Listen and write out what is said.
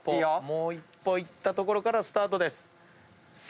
もう一歩行ったところからスタートです。